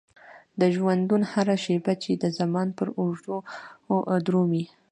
د ژوندون هره شيبه چې د زمان پر اوږو درومي.